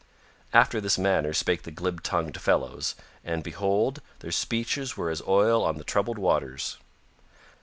After this manner spake the glib tongued fellows and, behold, their speeches were as oil on the troubled waters.